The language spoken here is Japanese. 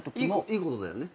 いいことだよね？